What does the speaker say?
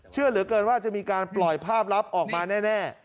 เชื่อเหลือเกินว่าจะมีการปล่อยภาพลับออกมาแน่